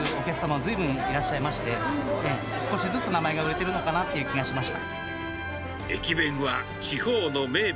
ずいぶんいらっしゃって、少しずつ名前が売れてるのかなっていう気がしました。